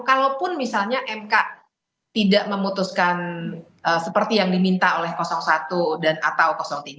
kalaupun misalnya mk tidak memutuskan seperti yang diminta oleh satu dan atau tiga